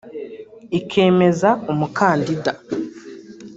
ikemeza umukandida